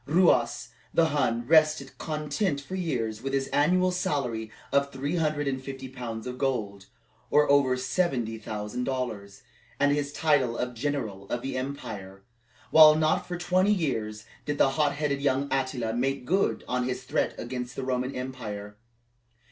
Ruas the Hun rested content for years with his annual salary of three hundred and fifty pounds of gold, or over seventy thousand dollars, and his title of General of the Empire; while not for twenty years did the hot headed young Attila make good his threat against the Roman power.